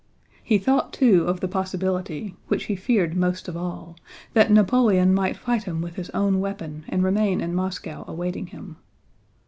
He thought too of the possibility (which he feared most of all) that Napoleon might fight him with his own weapon and remain in Moscow awaiting him.